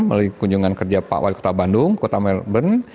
melalui kunjungan kerja pak wali kota bandung kota melbourne